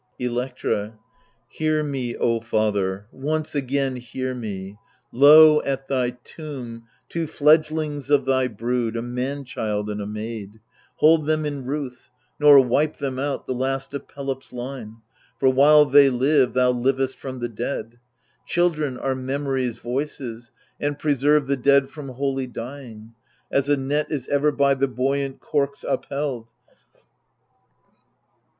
Electra Hear me, O father, once again hear me. Lo ! at thy tomb, two fledglings of thy brood — A man child and a maid ; hold them in ruth, Nor wipe them out, the last of Pelops' line. For while they live, thou livest from the dead ; Children are memory's voices, and preserve The dead from wholly dying : as a net Is ever by the buoyant corks upheld.